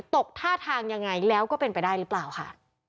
ตกท่าทางยังไงแล้วก็เป็นไปได้หรือเปล่าค่ะ